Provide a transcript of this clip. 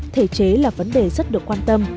thể chế là vấn đề rất được quan tâm